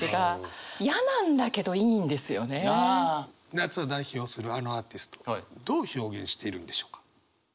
夏を代表するあのアーティストどう表現しているのでしょうか？